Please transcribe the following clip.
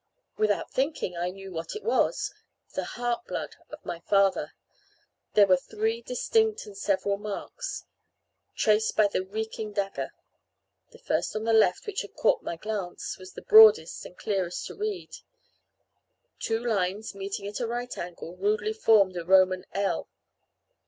Without thinking, I knew what it was the heart blood of my father. There were three distinct and several marks, traced by the reeking dagger. The first on the left, which had caught my glance, was the broadest and clearest to read. Two lines, meeting at a right angle, rudely formed a Roman L.